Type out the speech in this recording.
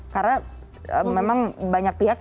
karena memang banyak terjadi